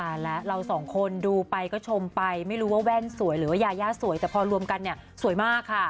แล้วเราสองคนดูไปก็ชมไปไม่รู้ว่าแว่นสวยหรือว่ายายาสวยแต่พอรวมกันเนี่ยสวยมากค่ะ